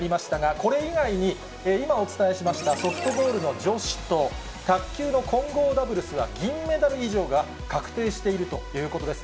これ以外に、今お伝えしました、ソフトボールの女子と、卓球の混合ダブルスが銀メダル以上が確定しているということです。